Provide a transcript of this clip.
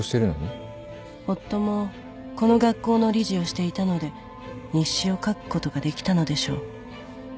夫もこの学校の理事をしていたので日誌を書くことができたのでしょう。